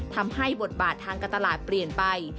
บทบาททางการตลาดเปลี่ยนไป